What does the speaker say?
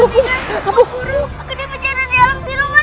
guru aku di penjara di alam siruman